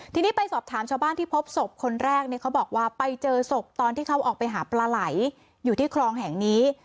ทีนี้ไปสอบถามชาวบ้านที่พบศพคนแรกเนี่ยเขาบอกว่าไปเจอศพตอนที่เขาออกไปหาปลาไหลอยู่ที่คลองแห่งนี้